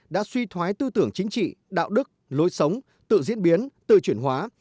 đã suy thoái tư tưởng chính trị đạo đức lối sống tự diễn biến tự chuyển hóa